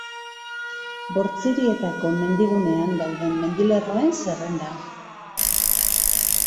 Bortzirietako mendigunean dauden mendilerroen zerrenda.